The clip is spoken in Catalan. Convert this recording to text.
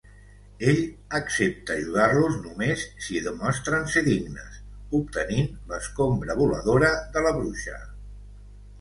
Ell accepta ajudar-los només si demostren ser dignes, obtenint l'escombra voladora de la bruixa.